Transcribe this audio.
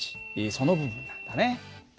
その部分なんだね。